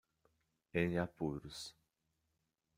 Em apuros